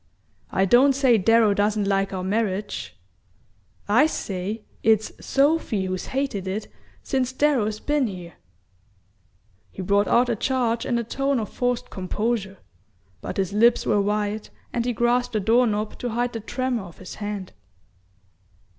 "I don't say Darrow doesn't like our marriage; I say it's Sophy who's hated it since Darrow's been here!" He brought out the charge in a tone of forced composure, but his lips were white and he grasped the doorknob to hide the tremor of his hand.